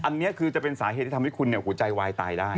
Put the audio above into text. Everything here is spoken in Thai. อันนี้คือจะเป็นสาเหตุที่ทำให้คุณหัวใจวายตายได้